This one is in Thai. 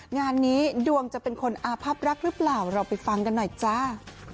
งานนี้ดวงจะเป็นคนอาพับรักหรือเปล่าเราไปฟังกันหน่อยจ้า